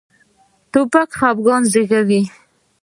توپک خپګان زېږوي.